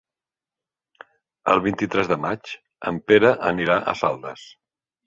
El vint-i-tres de maig en Pere anirà a Saldes.